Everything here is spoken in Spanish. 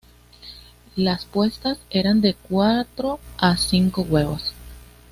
Las puestas eran de cuatro a cinco huevos.